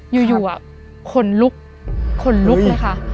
อยู่ขนลุกขนลุกเลยค่ะ